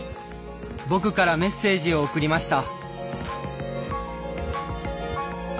僕からメッセージを送りました。